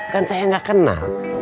kan saya gak kenal